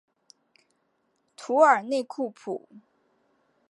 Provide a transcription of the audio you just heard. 图尔内库普。